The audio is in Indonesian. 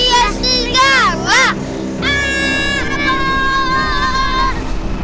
dam itu suara apa dam